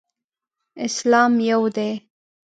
اسلام یو دی.